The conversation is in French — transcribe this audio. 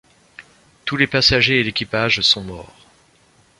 Tous les passagers et l'équipage sont morts.